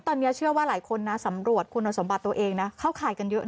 ตอนนี้เชื่อว่าหลายคนนะสำรวจคุณสมบัติตัวเองนะเข้าข่ายกันเยอะ